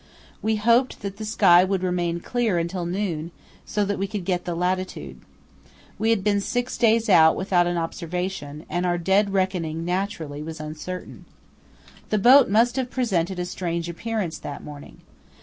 We hoped that the sky would remain clear until noon, so that we could get the latitude. We had been six days out without an observation, and our dead reckoning naturally was uncertain. The boat must have presented a strange appearance that morning.